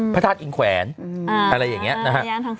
พระทาสหญิงแขวนอะไรอย่างงี้นะฮะ